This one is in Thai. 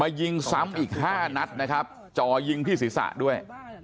มายิงซ้ำอีก๕นัดนะครับจอยิงพี่ศิษฐะด้วย